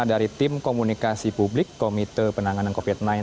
kepala bnpb terima dari tim komunikasi publik komite penanganan covid sembilan belas